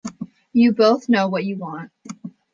You both know what you want.